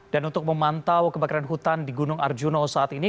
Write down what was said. dan untuk memantau kebakaran hutan di gunung arjuna saat ini